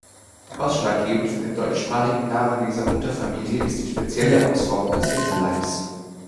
Ausschlaggebend für den deutschsprachigen Namen dieser Unterfamilie ist die spezielle Ausformung des Hinterleibs.